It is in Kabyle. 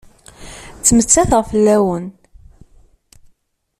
Ttmettateɣ fell-awen.